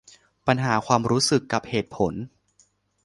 ปัญหาความรู้สึกกับเหตุผล